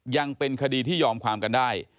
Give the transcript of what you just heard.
ยังเป็นคดีที่ยอมความกันได้